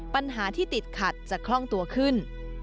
ปัญหาที่ติดขัดจะคล่องตัวขึ้น